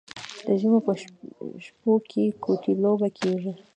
د ژمي په شپو کې ګوتې لوبه کیږي.